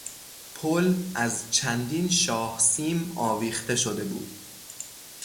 پل از چندین شاه سیم آویخته شده بود.